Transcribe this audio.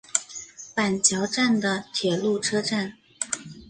板桥站的铁路车站。